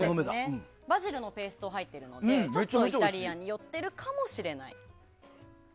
バジルのペーストが入っているのでちょっとイタリアンに寄ってるかもしれない。